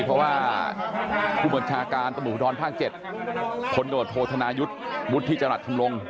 เพราะว่าผู้บัญชาการตพภ๗คนโทษโทษนายุทธ์มุทธิจรรย์ธรรมลงศ์